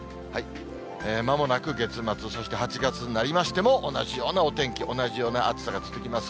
まもなく月末、そして８月になりましても、同じようなお天気、同じような暑さが続きます。